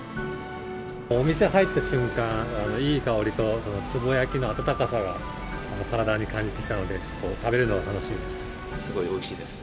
お店入った瞬間、いい香りと、つぼ焼きの温かさを体に感じたので、食べるのが楽しみです。